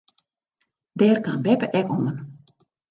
Dêr kaam beppe ek oan.